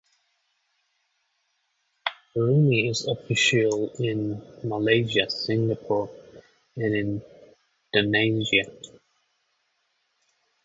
"Rumi" is official in Malaysia, Singapore, and Indonesia.